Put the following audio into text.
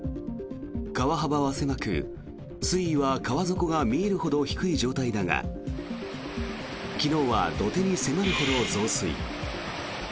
川幅は狭く、水位は川底が見えるほど低い状態だが昨日は土手に迫るほど増水。